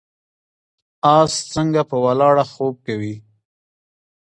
اس څنګه په ولاړه خوب کوي؟